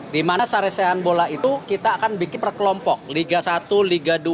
dimana sarasehan bola itu kita akan bikin perkelompok liga satu liga dua